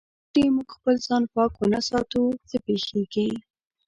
که چېرې موږ خپل ځان پاک و نه ساتو، څه پېښيږي؟